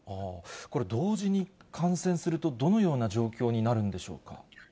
これ、同時に感染すると、どのような状況になるんでしょうか。